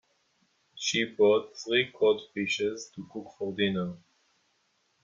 She bought three cod fishes to cook for dinner.